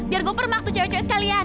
biar gue permak tuh cewek cewek sekalian